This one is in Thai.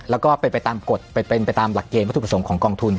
แล้วก็ไปตามรักเกณฑ์และพฤติผสมของกองทุน